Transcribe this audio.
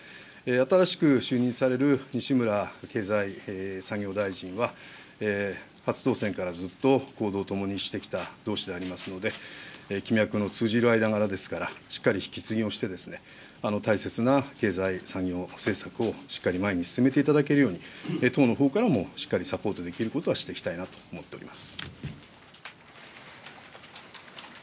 新しく就任される西村経済産業大臣は、初当選からずっと行動を共にしてきた同志でありますので、気脈の通じる間柄でございますから、しっかり引き継ぎをして、大切な経済産業政策をしっかり前に進めていただけるように、党のほうからもしっかりサポートできることはしていきたいなと思っております。